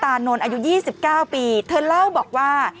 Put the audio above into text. นนท์อายุ๒๙ปีเธอเล่าบอกว่า